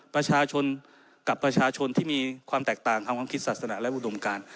ประชาชนกับประชาชนที่มีความแตกต่างทางความคิดศาสนาและอุดมการ